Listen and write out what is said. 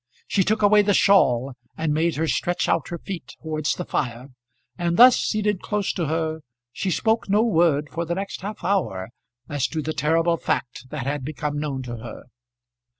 She took away the shawl and made her stretch out her feet towards the fire, and thus seated close to her, she spoke no word for the next half hour as to the terrible fact that had become known to her.